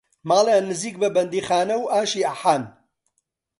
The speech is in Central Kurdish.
ماڵیان نێزیک بە بەندیخانەوو ئاشی ئەحان